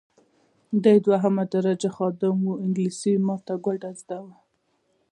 دی دوهمه درجه خادم وو انګلیسي یې ماته ګوډه زده وه.